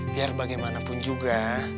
biar bagaimanapun juga